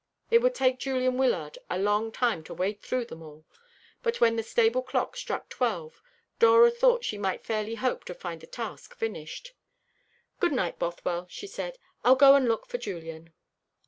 It would take Julian Wyllard a long time to wade through them all. But when the stable clock struck twelve, Dora thought she might fairly hope to find the task finished. "Good night, Bothwell," she said. "I'll go and look for Julian."